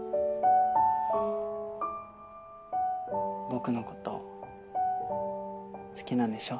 僕の事好きなんでしょ？